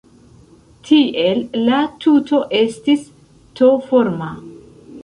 Tiel la tuto estis T-forma.